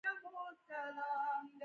د لیمو پوستکي عطر لري.